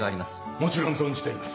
もちろん存じています。